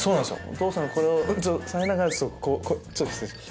お父さんのこれを触りながらちょっと失礼します。